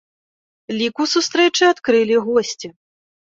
Лік у сустрэчы адкрылі госці.